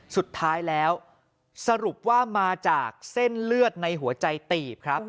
สุดท้ายแล้วสรุปว่ามาจากเส้นเลือดในหัวใจตีบครับ